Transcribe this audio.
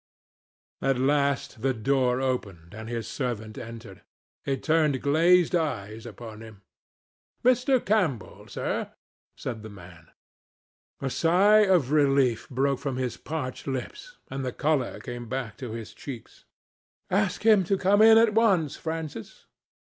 At last the door opened and his servant entered. He turned glazed eyes upon him. "Mr. Campbell, sir," said the man. A sigh of relief broke from his parched lips, and the colour came back to his cheeks. "Ask him to come in at once, Francis."